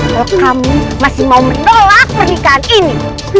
bahwa kamu masih mau menolak pernikahan ini